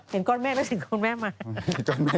เห็นก้อนแม่แล้วถึงก้อนแม่มา